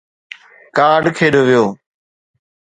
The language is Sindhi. ڪارڊ کيڏيو ويو.